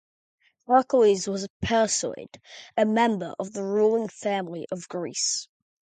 Heracles was a Perseid, a member of the ruling family of Greece.